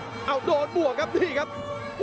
เมื่อก็ครอบมือวาง